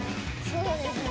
そうですね。